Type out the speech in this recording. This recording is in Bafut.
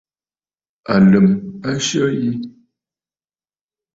Àlə̀m a syə yi.